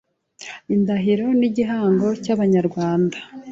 indahiro n’igihango Abanyarwanda